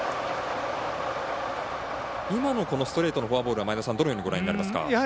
今のストレートのフォアボールはどのようにご覧になりますか？